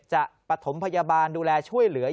ปฐมพยาบาลดูแลช่วยเหลือ